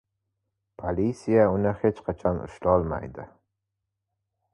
Polisiya uni hech qachon ushlolmaydi